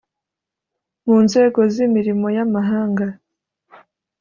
mu nzego z’imirimo ya mahanga